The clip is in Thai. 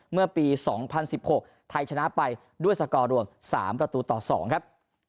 เมื่อปี๒๐๑๖ไทยชนะไปด้วยสกอร์รวม๓ประตูต่อ๒ครับ